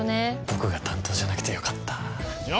僕が担当じゃなくてよかった城！